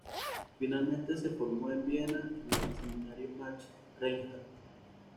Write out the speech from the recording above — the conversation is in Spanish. Finalmente se formó en Viena en el Seminario Max Reinhardt.